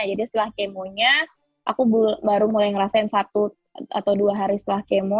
jadi setelah kemonya aku baru mulai ngerasain satu atau dua hari setelah kemo